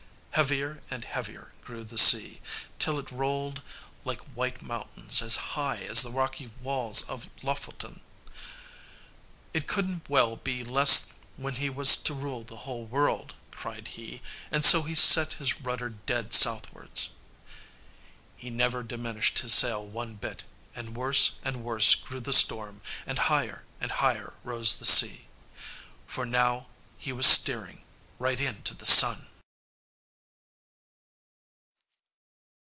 Heavier and heavier grew the sea, till it rolled like white mountains as high as the rocky walls of Lofoten. It couldn't well be less when he was to rule the whole world, cried he. And so he set his rudder dead southwards. He never diminished his sail one bit, and worse and worse grew the storm, and higher and higher rose the sea. For now he was steering right into the sun.